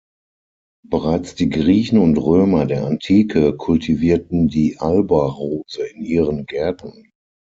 Bereits die Griechen und Römer der Antike kultivierten die Alba-Rose in ihren Gärten.